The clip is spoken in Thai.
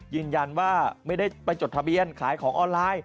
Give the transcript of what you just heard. ยืนยันว่าไม่ได้ไปจดทะเบียนขายของออนไลน์